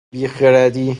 بی خردی